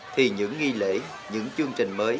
thì những nghi lễ những chương trình mới